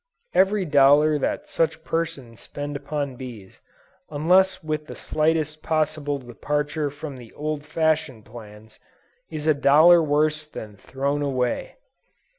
Every dollar that such persons spend upon bees, unless with the slightest possible departure from the old fashioned plans, is a dollar worse than thrown away.